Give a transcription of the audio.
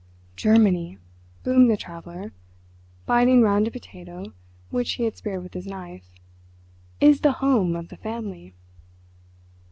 "Germany," boomed the Traveller, biting round a potato which he had speared with his knife, "is the home of the Family."